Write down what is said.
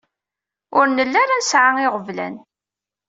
Ur nelli ara nesɛa iɣeblan.